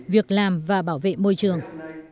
việc làm và bảo vệ môi trường